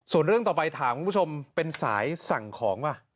ส่วนเรื่องต่อไปถามคุณผู้ชมเป็นสายสั่งของป่ะ